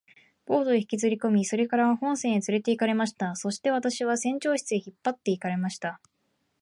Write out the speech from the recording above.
ボートへ引きずりこみ、それから本船へつれて行かれました。そして私は船長室へ引っ張って行かれました。